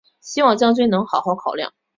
希望将军能好好考量！